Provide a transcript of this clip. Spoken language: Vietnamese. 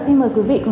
xin mời quý vị